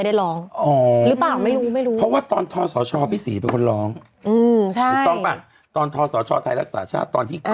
ซึ่งว่าตอนนี้หลายคนก็คงรีบไปนั่งดูกัน